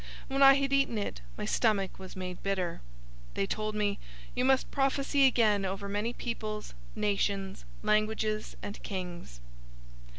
When I had eaten it, my stomach was made bitter. 010:011 They told me, "You must prophesy again over many peoples, nations, languages, and kings."